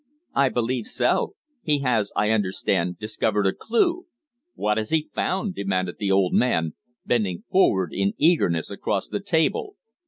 "I believe so. He has, I understand, discovered a clue." "What has he found?" demanded the old man, bending forward in eagerness across the table.